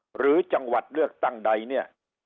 หรือจังหวัดเลือกตั้งใดเนี่ย